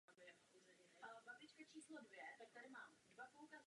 Od té doby je v Katovicích železniční dráha.